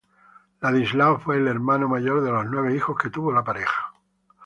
Ladislao fue el hermano mayor de los nueve hijos que tuvo la pareja.